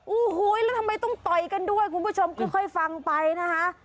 โอ้โหแล้วทำไมต้องต่อยกันด้วยคุณผู้ชมค่อยฟังไปนะคะ